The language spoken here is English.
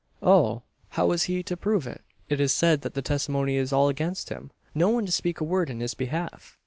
"Oh! how is he to prove it? It is said, that the testimony is all against him! No one to speak a word in his behalf!"